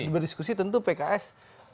berdiskusi tentu pks